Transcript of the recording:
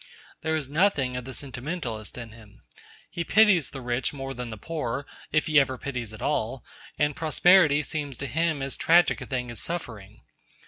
There is nothing of the sentimentalist in him. He pities the rich more than the poor, if he ever pities at all, and prosperity seems to him as tragic a thing as suffering.